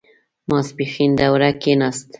ماسپښين دوړه کېناسته.